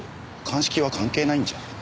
鑑識は関係ないんじゃ。